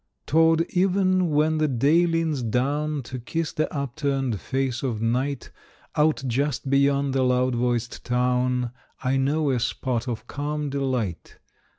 Toward even when the day leans down To kiss the upturned face of night, Out just beyond the loud voiced town I know a spot of calm delight.